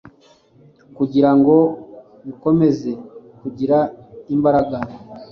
kugira ngo bikomeze kugira imbaraga